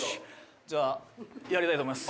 「じゃあやりたいと思います」